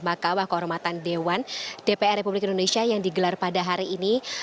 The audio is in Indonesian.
makawah kehormatan dewan dpr republik indonesia yang digelar pada hari ini